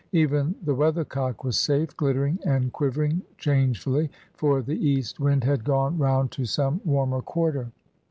Even the weathercock was safe, glittering and quivering changefuUy, for the east wind had gone round to some warmer quarter.